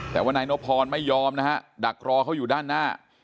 แต่ว่านายนพรไม่ยอมนะฮะดักรอเขาอยู่ด้านหน้า